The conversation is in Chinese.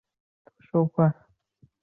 后被贬为蒲州同知。